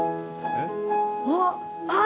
えっ？